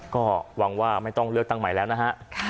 ก็หวังว่าไม่ต้องเลือกตั้งใหม่แล้วนะฮะ